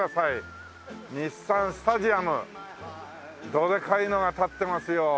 どでかいのが立ってますよ。